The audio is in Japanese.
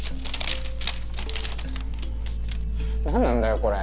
何なんだよこれ。